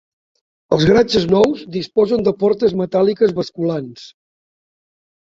Els garatges nous disposen de portes metàl·liques basculants.